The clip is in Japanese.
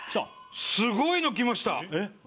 すごいのきましたえっ？